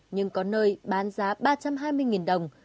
nhưng có nơi bán giá ba trăm hai mươi đồng